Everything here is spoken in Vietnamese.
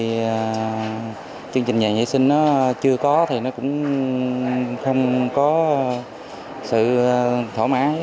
và chương trình nhà vệ sinh nó chưa có thì nó cũng không có sự thỏa mãn